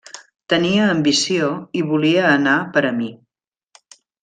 Tenia ambició i volia anar per a mi.